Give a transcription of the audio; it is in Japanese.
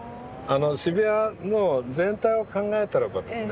渋谷の全体を考えたらばですね